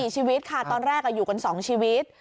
๔ชีวิตค่ะตอนแรกอยู่กัน๒ชีวิต